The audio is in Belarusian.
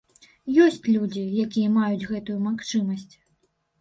Ёсць людзі, якія маюць гэтую магчымасць.